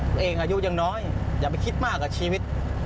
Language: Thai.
ตัวเองอายุยังน้อยอย่าไปคิดมากกับชีวิต